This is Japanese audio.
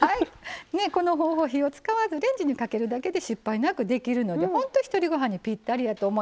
この方法火を使わずレンジにかけるだけで失敗なくできるのでほんとひとりごはんにぴったりやと思います。